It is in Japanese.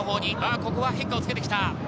ここは変化をつけてきた！